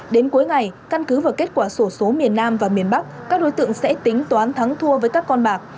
đến cuối ngày căn cứ vào kết quả sổ số miền nam và miền bắc các đối tượng sẽ tính toán thắng thua với các con bạc